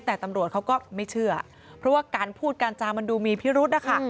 แต่ตำรวจเขาก็ไม่เชื่อเพราะว่าการพูดการจามันดูมีพิรุธนะคะ